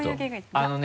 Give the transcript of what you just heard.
あのね